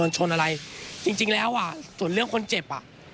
จริงแล้วส่วนเรื่องคนเจ็บ